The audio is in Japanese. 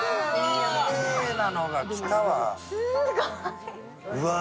きれいなのが来たわ。